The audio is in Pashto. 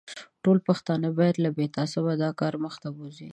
ټوله پښتانه باید بې له تعصبه دا کار مخ ته بوزي.